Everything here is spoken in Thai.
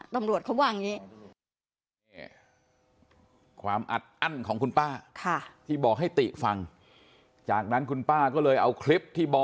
ตำรวจเขาว่าอย่างนี้